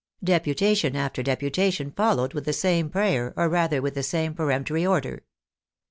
Deputation after deputation followed with the same prayer, or rather with the same peremptory order.